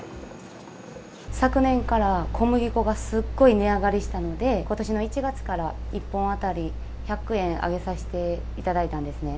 昨年から小麦粉がすっごい値上がりしたので、ことしの１月から１本当たり１００円上げさせていただいたんですね。